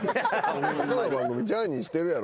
他の番組ジャーニーしてるやろ？